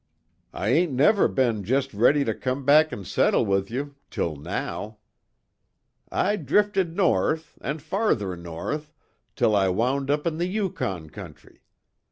I ain't never be'n just ready to come back an' settle with you, till now. I drifted north, and farther north, till I wound up in the Yukon country.